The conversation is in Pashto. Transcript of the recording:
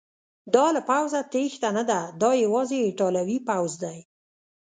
دا له پوځه تیښته نه ده، دا یوازې ایټالوي پوځ دی.